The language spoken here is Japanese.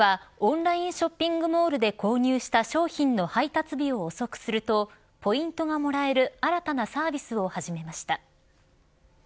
ヤフーは、オンラインショッピングモールで購入した商品の配達日を遅くするとポイントがもらえる新たなサービスを始めました。